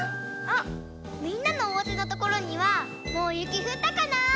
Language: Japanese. あっみんなのおうちのところにはもうゆきふったかな？